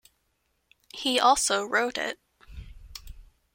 He also wrote it.